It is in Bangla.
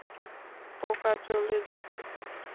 পোকা চলে যাবে।